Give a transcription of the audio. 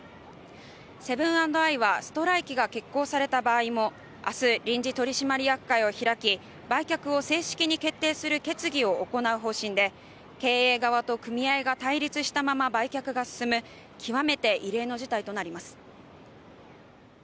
セブン＆アイはストライキが決行された場合も明日、臨時取締役会を開き売却を正式に決定する決議を行う方針で経営側と組合が対立したまま売却が進む極めて異例の事態となります。